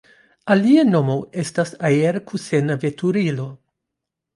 Alia nomo estas aer-kusena veturilo.